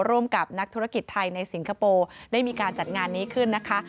ร่วมกับนักธุรกิจไทยในสิงคโปร์ได้มีการจัดงานนี้ขึ้นนะคะ